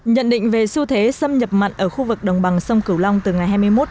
nhận định về xu thế xâm nhập mặt ở khu vực đồng bằng sông cửu long từ ngày hai mươi tháng bốn